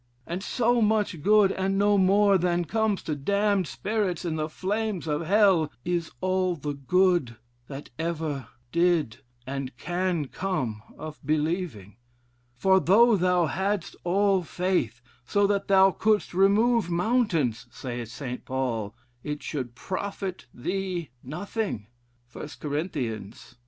And so much good, and no more, than comes to damned spirits in the flames of Hell, is all the good that ever did and can come of believing. 'For though thou hadst all faith, so that thou couldst remove mountains,' saith St. Paul, 'It should profit thee nothing.' 1 Cor. xiii.